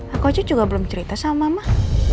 aku aja juga belum cerita sama mah